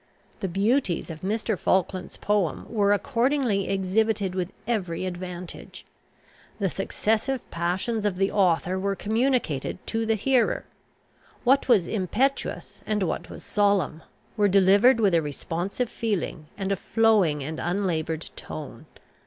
The beauties of Mr. Falkland's poem were accordingly exhibited with every advantage. The successive passions of the author were communicated to the hearer. What was impetuous, and what was solemn, were delivered with a responsive feeling, and a flowing and unlaboured tone.